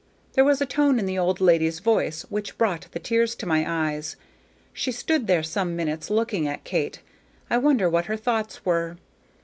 There was a tone in the old lady's voice which brought the tears to my eyes. She stood there some minutes looking at Kate. I wonder what her thoughts were.